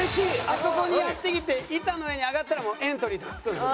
あそこにやって来て板の上に上がったらもうエントリーって事なので。